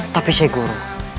tapi syekh guru